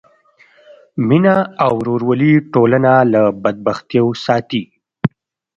مینه او ورورولي ټولنه له بدبختیو ساتي.